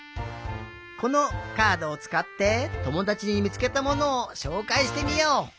このカードをつかってともだちにみつけたものをしょうかいしてみよう！